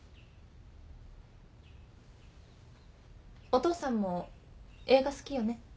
お父さんも映画好きよね？